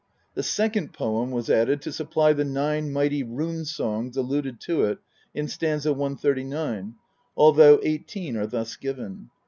The second poem was added to supply the " nine mighty rune songs " alluded to in st. 139, although eighteen are thus given.